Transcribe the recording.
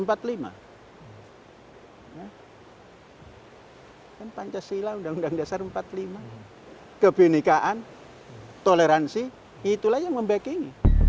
pancasila undang undang dasar empat puluh lima kebenikaan toleransi itulah yang membacking